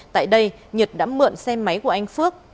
tại đây nhật đã mượn xe máy của anh phước